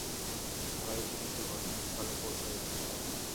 তারা ইতোমধ্যে ঘটনাস্থলে পৌঁছে গেছে, স্যার।